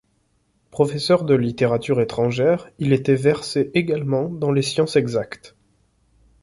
Professeur de littérature étrangère, il était versé également dans les sciences exactes.